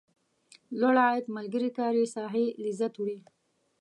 لوړ عاید ملګري کاري ساحې لذت وړي.